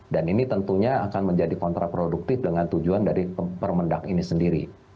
dan ini tentunya akan menjadi kontraproduktif dengan tujuan dari permendag ini sendiri